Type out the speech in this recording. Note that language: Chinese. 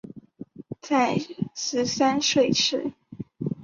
在十三岁时